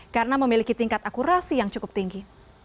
karena memiliki tingkat akurasi yang cukup tinggi